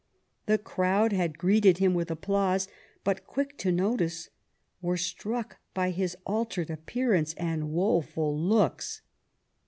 The crowd had greeted him with applause, but, quick to notice, were struck by his altered appearance and woeful looks.